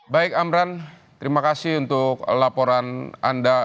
baik amran terima kasih untuk laporan anda